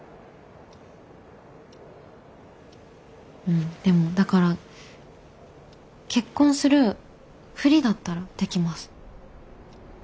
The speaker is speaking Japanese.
うんでもだから結婚するふりだったらできます。